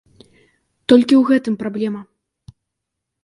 Толькі ў гэтым праблема.